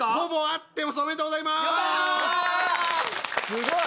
すごい。